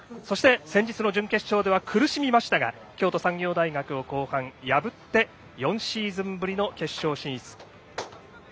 そして、先日の準決勝では苦しみましたが京都産業大学を後半破って、４シーズンぶりの決勝進出。